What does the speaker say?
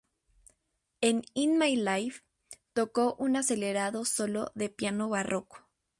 En "In My Life", tocó un acelerado solo de piano barroco.